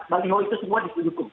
baliho itu semua disukung